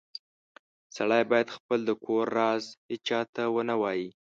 سړی باید خپل د کور راز هیچاته و نه وایې